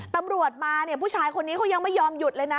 ตำรวจมาเนี่ยผู้ชายคนนี้เขายังไม่ยอมหยุดเลยนะ